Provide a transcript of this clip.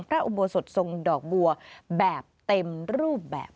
พระอุบัติศรวจทรงดอกบัวแบบเต็มรูปแบบ